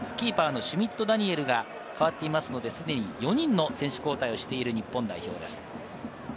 前半、キーパーのシュミット・ダニエルが代わっているので、すでに４人の選手交代をしている日本代表です。